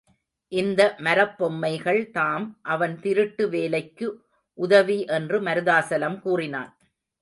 இந்த மரப்பொம்மைகள் தாம் அவன் திருட்டு வேலைக்கு உதவி என்று மருதாசலம் கூறினான்.